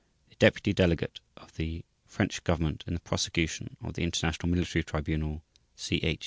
The Deputy Delegate of The French Government in the Prosecution of The International Military Tribunal /s/ CH.